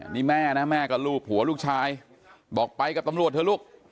นี่แม่นะแม่ก็ลูบหัวลูกชายบอกไปกับตำรวจเถอะลูก